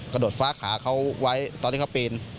ดฟ้าขาเขาไว้ตอนที่เขาปีน